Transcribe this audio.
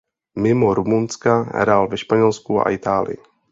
Mimo Rumunska hrál ve Španělsku a Itálii.